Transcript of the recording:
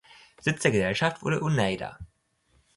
Sitz der Gesellschaft wurde Oneida.